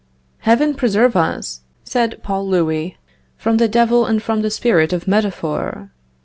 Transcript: "Heaven preserve us," said Paul Louis, "from the Devil and from the spirit of metaphor!"